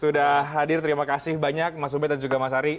sudah hadir terima kasih banyak mas ubed dan juga mas ari